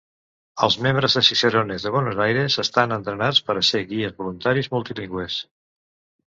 Els membres de Cicerones de Buenos Aires estan entrenats per a ser guies voluntaris multilingües.